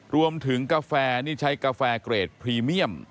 กาแฟนี่ใช้กาแฟเกรดพรีเมียม